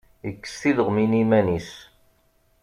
Ikes tileɣmin iman-is.